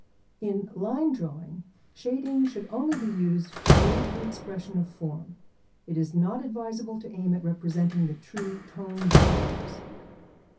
] In Line Drawing shading should only be used to aid the expression of form. It is not advisable to aim at representing the true tone values.